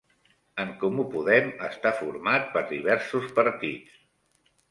En Comú Podem està format per diversos partits.